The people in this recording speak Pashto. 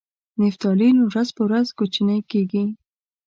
نفتالین ورځ په ورځ کوچنۍ کیږي.